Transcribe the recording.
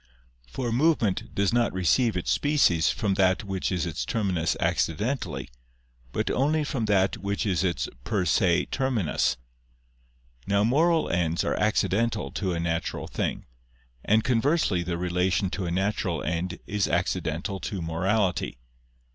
For a movement does not receive its species from that which is its terminus accidentally, but only from that which is its per se terminus. Now moral ends are accidental to a natural thing, and conversely the relation to a natural end is accidental to morality.